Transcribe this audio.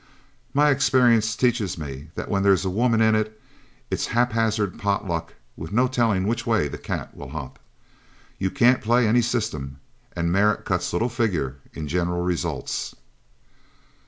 My experience teaches me that when there's a woman in it, it's haphazard pot luck with no telling which way the cat will hop. You can't play any system, and merit cuts little figure in general results."